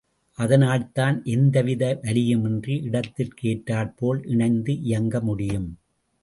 அதனால்தான் எந்தவித வலியுமின்றி, இடத்திற்கு ஏற்றாற்போல் இணைந்து இயங்க முடியும்.